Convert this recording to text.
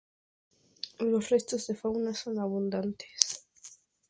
Los restos de fauna son abundantes.